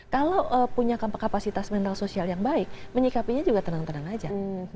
kalau punya kapasitas mental sosial yang baik menyikapinya juga tenang tenang aja